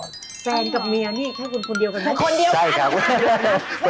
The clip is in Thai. แฟนกับเมียนี่แค่คุณคนเดียวกันไหม